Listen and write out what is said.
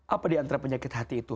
apa diantara penyakit hati itu